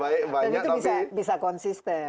dan itu bisa konsisten